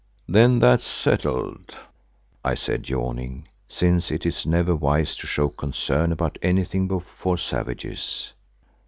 "Then that's settled," I said, yawning, since it is never wise to show concern about anything before savages.